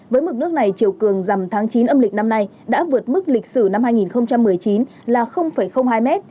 với mực nước này chiều cường dầm tháng chín âm lịch năm nay đã vượt mức lịch sử năm hai nghìn một mươi chín là hai m